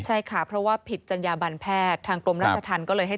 ใช่ค่ะเพราะว่าผิดจัญญาบันแพทย์